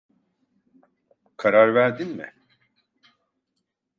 Karar verdin mi?